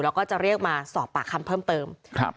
แล้วก็จะเรียกมาสอบปากคำเพิ่มเติมครับ